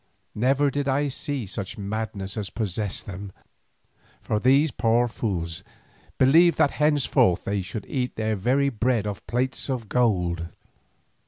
Never did I see such madness as possessed them, for these poor fools believed that henceforth they should eat their very bread off plates of gold.